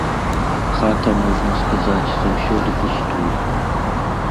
Хата, можна сказаць, заўсёды пустуе.